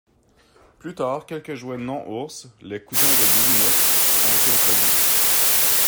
Plus tard, quelques jouets non-ours, les Cousins de Bisounours, ont été introduits.